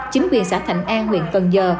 chính quyền xã thạnh an huyện cần giờ